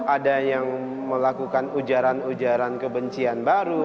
ada yang melakukan ujaran ujaran kebencian baru